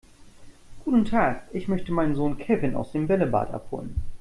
Guten Tag, ich möchte meinen Sohn Kevin aus dem Bällebad abholen.